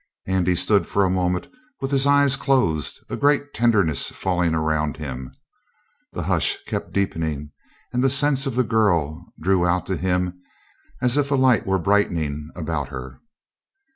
Andy stood for a moment with his eyes closed, a great tenderness falling around him. The hush kept deepening, and the sense of the girl drew out to him as if a light were brightening about her.